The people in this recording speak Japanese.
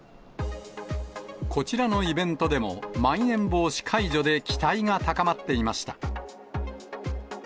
こちらのイベントでも、まん延防止解除で期待が高まっていました。